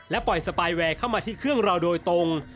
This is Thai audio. ปล่อยสปายแวร์เข้ามาที่เครื่องเราโดยตรง